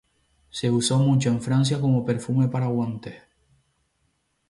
Se usó mucho en Francia como perfume para guantes.